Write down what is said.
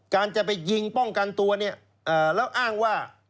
การจะไปยิงป้องกันตัวเนี่ยแล้วอ้างว่า